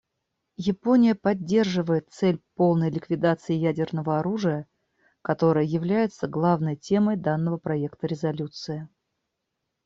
Япония поддерживает цель полной ликвидации ядерного оружия, которая является главной темой данного проекта резолюции.